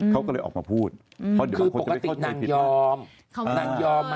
เค้าก็เลยออกมาพูดเพราะเดี๋ยวบางคนจะไม่เข้าใจผิดเลยคือปกตินางยอม